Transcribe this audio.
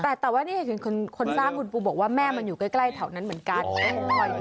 แต่ว่านี่เห็นคนสร้างคุณปูบอกว่าแม่มันอยู่ใกล้แถวนั้นเหมือนกัน